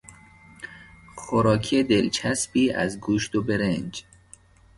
خوراک دلچسبی از گوشت و برنج